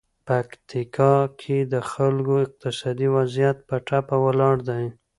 پکتیکا کې د خلکو اقتصادي وضعیت په ټپه ولاړ دی.